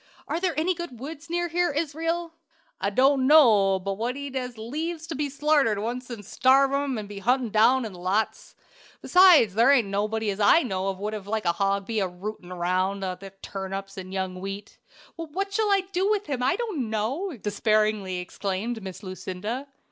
Are there any good woods near here, Israel?" "I don't know but what he'd as lieves be slartered to once as to starve an' be hunted down out in the lots. Besides, there ain't nobody as I knows of would like a hog to be a rootin' round among their turnips and young wheat." "Well, what I shall do with him I don't know!" despairingly exclaimed Miss Lucinda.